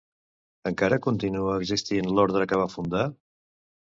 Encara continua existint l'ordre que va fundar?